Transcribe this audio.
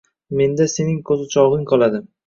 — Menda sening qo‘zichog‘ing qoladi.